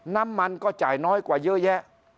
น้ำมันก็จ่ายน้อยกว่าเยอะแยะ